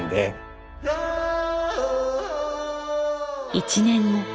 １年後。